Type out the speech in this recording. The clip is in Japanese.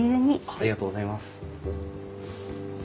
ありがとうございます。